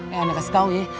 eh ane kasih tau ya